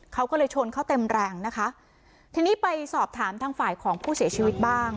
เขาก็เลยชนเขาเต็มแรงนะคะทีนี้ไปสอบถามทางฝ่ายของผู้เสียชีวิตบ้าง